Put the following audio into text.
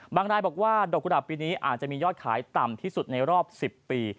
รายบอกว่าดอกกุหลาบปีนี้อาจจะมียอดขายต่ำที่สุดในรอบ๑๐ปี